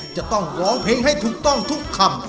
จะต้องร้องเพลงให้ถูกต้องทุกคำ